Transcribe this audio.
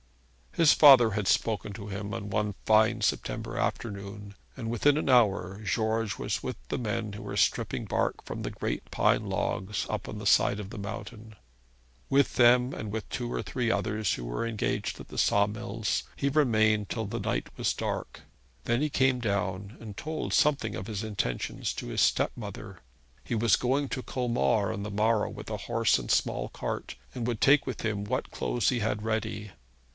His father had spoken to him on one fine September afternoon, and within an hour George was with the men who were stripping bark from the great pine logs up on the side of the mountain. With them, and with two or three others who were engaged at the saw mills, he remained till the night was dark. Then he came down and told something of his intentions to his stepmother. He was going to Colmar on the morrow with a horse and small cart, and would take with him what clothes he had ready.